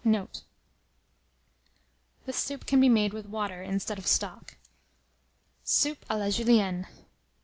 Note. This soup can be made with water instead of stock. SOUP A LA JULIENNE.